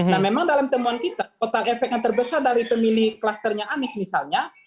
nah memang dalam temuan kita total efek yang terbesar dari pemilih klasternya anies misalnya